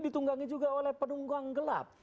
ditunggangi juga oleh penunggang gelap